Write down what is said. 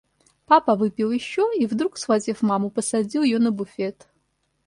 Папа выпил еще и вдруг, схватив маму, посадил ее на буфет.